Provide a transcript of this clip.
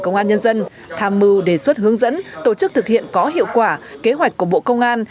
công an nhân dân tham mưu đề xuất hướng dẫn tổ chức thực hiện có hiệu quả kế hoạch của bộ công an